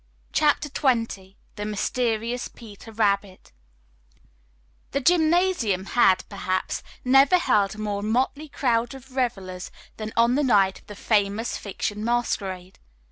CHAPTER XX THE MYSTERIOUS "PETER RABBIT" The gymnasium had, perhaps, never held a more motley crowd of revelers than on the night of the Famous Fiction masquerade.